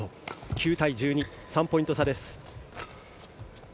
９対１２３ポイント差です。